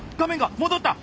戻った！